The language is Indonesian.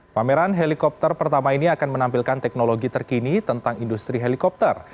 pameran helikopter pertama ini akan menampilkan teknologi terkini tentang industri helikopter